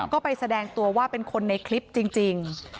ก็ไปแสดงตัวว่าเป็นคนในคลิปจริง